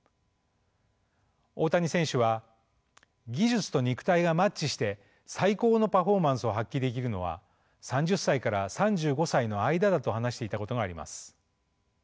大谷選手は技術と肉体がマッチして最高のパフォーマンスを発揮できるのは３０歳から３５歳の間だと話していたことがあります。